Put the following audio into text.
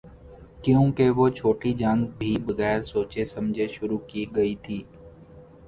کیونکہ وہ چھوٹی جنگ بھی بغیر سوچے سمجھے شروع کی گئی تھی۔